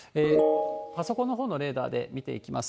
パソコンのほうのレーダーで見ていきます。